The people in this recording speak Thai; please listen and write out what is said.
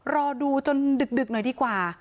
รอดูจนดึกหน่อยดีกว่า